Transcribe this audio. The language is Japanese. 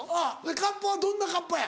カッパはどんなカッパや？